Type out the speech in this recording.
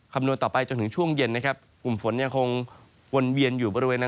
คำนวณต่อไปจนถึงช่วงเย็นนะครับกลุ่มฝนยังคงวนเวียนอยู่บริเวณ